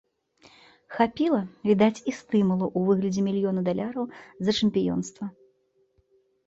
Хапіла, відаць, і стымулу ў выглядзе мільёна даляраў за чэмпіёнства.